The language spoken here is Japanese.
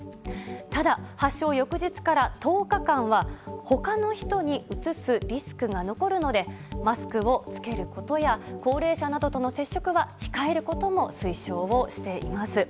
ただ、発症翌日から１０日間は他の人にうつすリスクが残るのでマスクを着けることや高齢者などとの接触は控えることも推奨をしています。